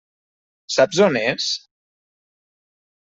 Saps on és?